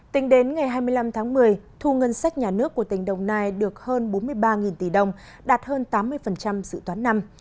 tính đến ngày hai mươi năm tháng một mươi thu ngân sách nhà nước của tỉnh đồng nai được hơn bốn mươi ba tỷ đồng đạt hơn tám mươi dự toán năm